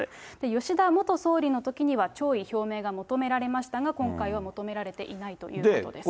吉田元総理のときには、弔意表明が求められましたが、今回は求められていないということです。